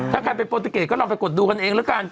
ถ้าใครเป็นโปรติเกตก็เราไปกดดูกันเองละกัน